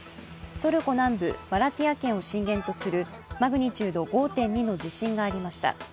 トルコ南部マラティヤ県を震源とするマグニチュード５．２の地震がありました。